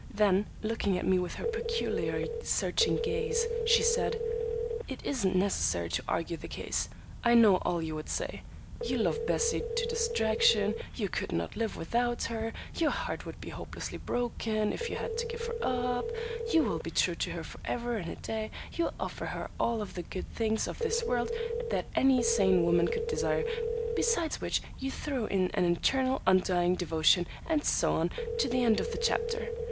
Then, looking at me with her peculiarly searching gaze, she said, "It isn't necessary to argue the case; I know all you would say. You love Bessie to distraction; you could not live without her; your heart would be hopelessly broken if you had to give her up; you will be true to her forever and a day; you offer her all of the good things of this world that any sane woman could desire, besides which you throw in an eternal, undying devotion; and so on, to the end of the chapter.